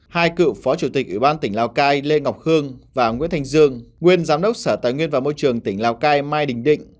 hai cựu phó chủ tịch ủy ban tỉnh lào cai lê ngọc khương và nguyễn thành dương nguyên giám đốc sở tài nguyên và môi trường tỉnh lào cai mai đình định